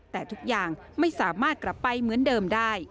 แต่ทุกอย่างไม่สามารถกลับไปเหมือนเดิมได้